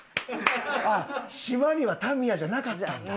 あっ島にはタミヤじゃなかったんだ。